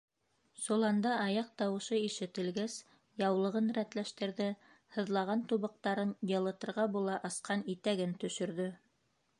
Соланда аяҡ тауышы ишетелгәс, яулығын рәтләштерҙе, һыҙлаған тубыҡтарын йылытырға була асҡан итәген төшөрҙө.